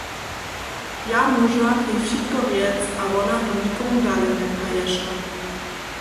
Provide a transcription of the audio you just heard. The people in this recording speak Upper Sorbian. Ja móžach jej wšitko rjec a wona to nikomu dale njepraješe.